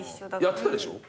やってたでしょ？